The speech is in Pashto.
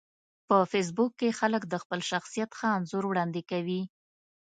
په فېسبوک کې خلک د خپل شخصیت ښه انځور وړاندې کوي